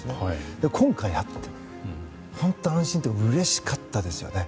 でも、今回会って本当に安心というかうれしかったですよね。